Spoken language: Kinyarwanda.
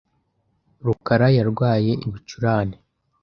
rukarayarwaye ibicurane.